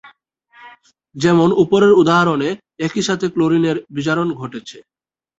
যেমন উপরের উদাহরণে একইসাথে ক্লোরিনের বিজারণ ঘটেছে।